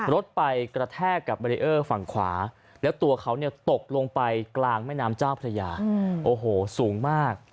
รถไปกระแทกกับเบรีเออร์ฝั่งขวาแล้วตัวเขาเนี่ยตกลงไปกลางแม่น้ำเจ้าพระยาโอ้โหสูงมาก